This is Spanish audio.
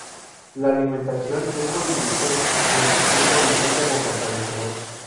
La alimentación es por inyección multipunto y cuenta con catalizador.